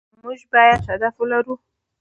مونږ بايد هدف ولرو